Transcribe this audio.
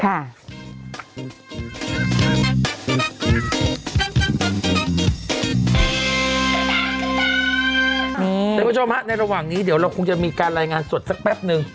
คุณผู้ชมฮะในระหว่างนี้เดี๋ยวเราคงจะมีการรายงานสดสักแป๊บนึง